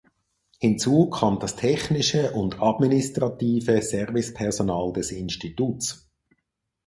Hinzu kommt das technische und administrative Service-Personal des Instituts.